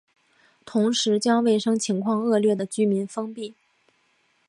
同时将卫生情况恶劣的民居封闭。